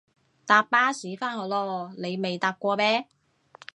搭巴士返學囉，你未搭過咩？